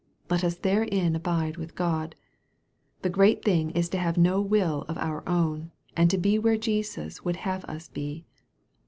Let us therein abide with God. The great thing is to have no will of our own, and to be where Jesus would have us be.